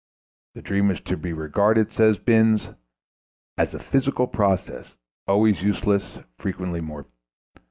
The dream is to be regarded, says Binz, "as a physical process always useless, frequently morbid."